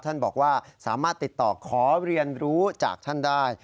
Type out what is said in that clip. ท่านบอกว่าสามารถติดต่อขอเรียนรู้จากท่านได้